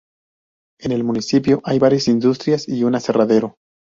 En el municipio hay varias industrias y un aserradero.